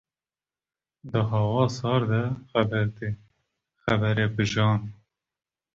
Di hawa sar de xeber tê, xeberê bi jan.